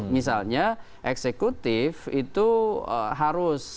misalnya eksekutif itu harus